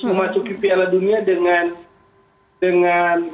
memasuki piala dunia dengan